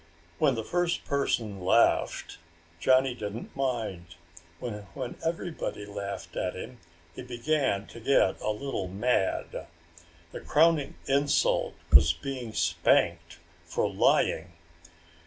When the first person laughed, Johnny didn't mind. But when everybody laughed at him he began to get a little mad. The crowning insult was being spanked for lying.